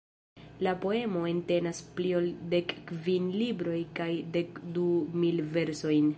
La poemo entenas pli ol dekkvin libroj kaj dekdu mil versojn.